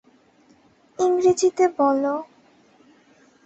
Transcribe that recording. ইংরেজিতে বলো।